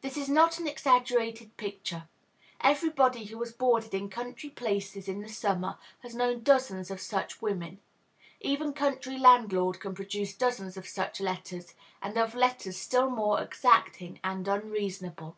This is not an exaggerated picture. Everybody who has boarded in country places in the summer has known dozens of such women. Every country landlord can produce dozens of such letters, and of letters still more exacting and unreasonable.